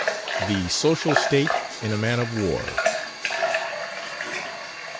THE SOCIAL STATE IN A MAN OF WAR.